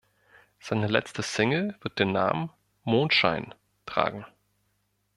Seine letzte Single wird den Namen „Mondschein“ tragen.